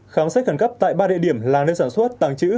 khám xét khẩn cấp tại ba địa điểm là nơi sản xuất tàng trữ